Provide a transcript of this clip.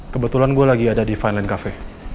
kebetulan gue lagi ada di filend cafe